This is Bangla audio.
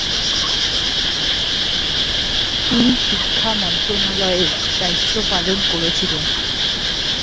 তিনি শিক্ষা মন্ত্রণালয়েও দায়িত্ব পালন করেছিলেন।